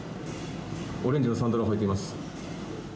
オレンジのサンダルを履いています。